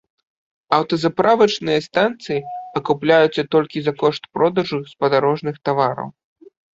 Аўтазаправачныя станцыі акупляюцца толькі за кошт продажу спадарожных тавараў.